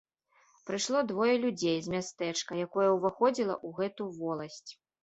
Прыйшло двое людзей з мястэчка, якое ўваходзіла ў гэтую воласць.